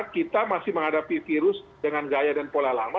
kita masih menghadapi virus dengan gaya dan pola lama